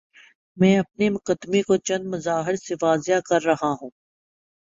میں اپنے مقدمے کو چند مظاہر سے واضح کر رہا ہوں۔